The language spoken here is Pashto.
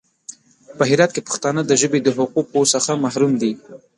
په هرات کې پښتانه د ژبې د حقوقو څخه محروم دي.